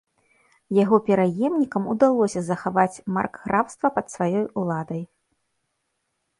Яго пераемнікам удалося захаваць маркграфства пад сваёй уладай.